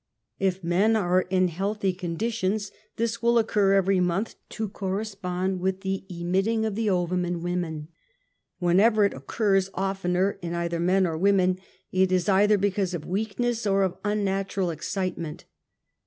If men are in healthy conditions this will occur every month, to corre ^ spond wdth the emitting of the ovum in women. Whenever it occurs oftener in either men or w^omen, it is either because of weakness or of unnatural ex citement.